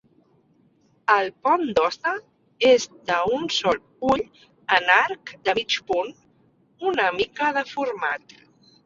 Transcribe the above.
El pont d'Hoste és d'un sol ull en arc de mig punt una mica deformat.